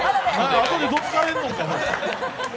あとでどつかれんのか、俺！？